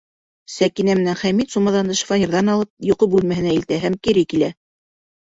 Сәкинә менән Хәмит сумаҙанды шифоньерҙан алып йоҡо бүлмәһенә илтә һәм кире килә.